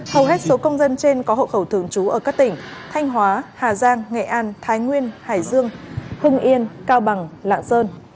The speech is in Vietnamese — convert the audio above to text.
hầu hết số công dân trên có hộ khẩu thường trú ở các tỉnh thanh hóa hà giang nghệ an thái nguyên hải dương hưng yên cao bằng lạng sơn